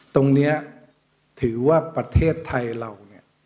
ตรงนี้ถือว่าประเทศไทยเรา